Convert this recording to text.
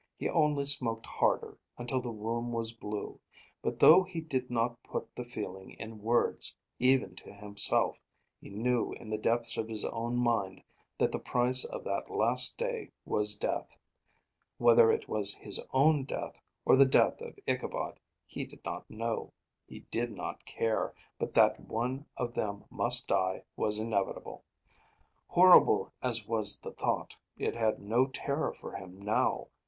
He only smoked harder, until the room was blue; but though he did not put the feeling in words even to himself, he knew in the depths of his own mind that the price of that last day was death. Whether it was his own death, or the death of Ichabod, he did not know; he did not care; but that one of them must die was inevitable. Horrible as was the thought, it had no terror for him, now.